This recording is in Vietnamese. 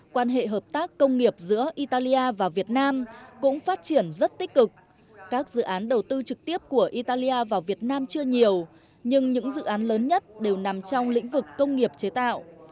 quan hệ hợp tác công nghiệp giữa italia và việt nam cũng phát triển rất tích cực các dự án đầu tư trực tiếp của italia vào việt nam chưa nhiều nhưng những dự án lớn nhất đều nằm trong lĩnh vực công nghiệp chế tạo